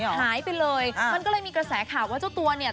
หายไปเลยมันก็เลยมีกระแสข่าวว่าเจ้าตัวเนี่ย